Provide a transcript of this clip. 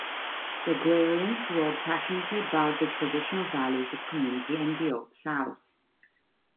The Agrarians wrote passionately about the traditional values of community and the Old South.